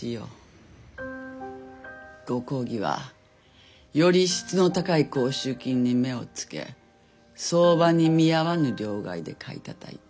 ご公儀はより質の高い甲州金に目をつけ相場に見合わぬ両替で買いたたいた。